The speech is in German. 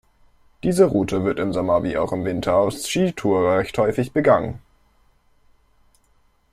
Diese Route wird im Sommer wie auch im Winter als Skitour recht häufig begangen.